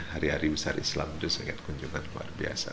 hari hari besar islam itu sangat kunjungan luar biasa